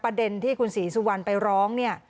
ประเด็นที่คุณศรีสุวรรณไปร้องเนี่ย